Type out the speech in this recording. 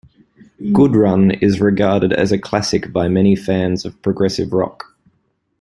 "Gudrun" is regarded as a classic by many fans of progressive rock.